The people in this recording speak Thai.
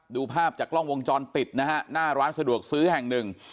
ดูภาพจากกล้องวงจรปิดนะฮะหน้าร้านสะดวกซื้อแห่งหนึ่ง